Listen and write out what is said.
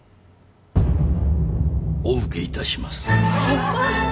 お受けいたします。